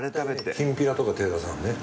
きんぴらとか手出さんね